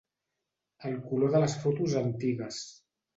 El color de les fotos antigues.